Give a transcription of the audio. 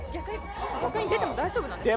逆に出ても大丈夫なんですか？